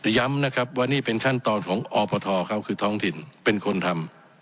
ย้ำนะครับว่านี่เป็นขั้นตอนของอบทเขาคือท้องถิ่นเป็นคนทำ